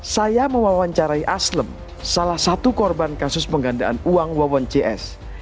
saya mewawancarai aslem salah satu korban kasus penggandaan uang wawon cs